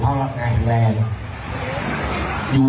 แฮปปี้เบิร์สเจทูยู